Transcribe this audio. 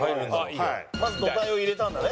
まず土台を入れたんだね